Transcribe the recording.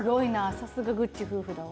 さすがぐっち夫婦だわ。